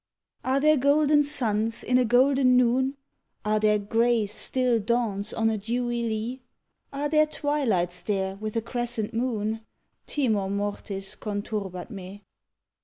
_ Are there golden suns in a golden noon, Are there grey, still dawns on a dewy lea, Are there twilights there, with a crescent moon? _Timor mortis conturbat me.